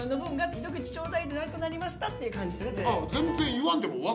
「一口ちょーだい」でなくなりましたっていう感じです。